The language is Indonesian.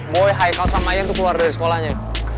boy haikal sama ayang tuh keluar dari sekolahnya